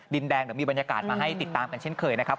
ดินแดงเดี๋ยวมีบรรยากาศมาให้ติดตามกันเช่นเคยนะครับ